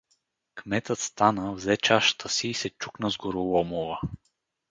Кметът стана, взе чашата си и се чукна с Гороломова.